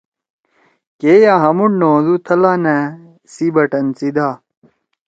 کے یأ ہامُوڑ نہ ہودُو تھلا ”نأ“ سی بٹن سی دا۔